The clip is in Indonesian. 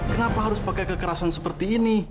kenapa harus pakai kekerasan seperti ini